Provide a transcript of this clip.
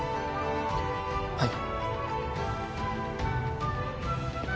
はい。